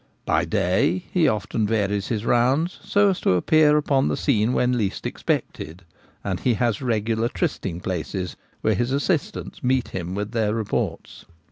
By day he often varies his rounds so as to appear upon the scene when least expected; and has regular tryst Gipsies. 173 ing places, where his assistants meet him with their reports.